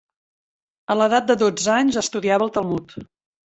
A l'edat de dotze anys estudiava el Talmud.